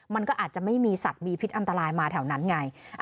มันก็อาจจะไม่มีสัตว์มีพิษอันตรายมาแถวนั้นไง